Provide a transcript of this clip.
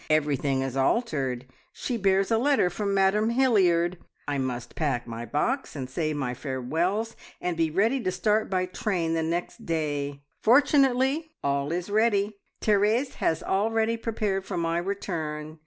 Everything is altered, she bears a letter from Madame Hilliard I must pack my box, and say my farewells, and be ready to start by the train next day. Fortunately all is ready. Therese has already prepared for my return.